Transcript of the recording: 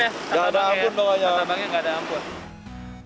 tata bangnya gak ada ampun